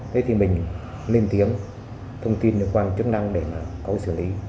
thế thì mình lên tiếng thông tin liên quan chức năng để mà cấu xử lý